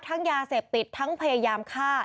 ยาเสพติดทั้งพยายามฆ่า